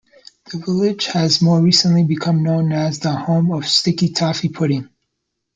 The village has more recently become known as the "home of sticky toffee pudding".